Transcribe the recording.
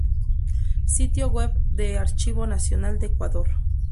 Sitio-web del Archivo Nacional de Ecuador